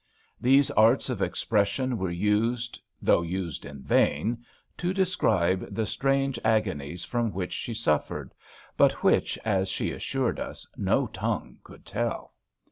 These arts of expression were used, though used in vain, to describe the strange agonies 3 t HAMPSHIBE VIGNETTES from which she suffered, but which, as she assured us, no tongue could tell.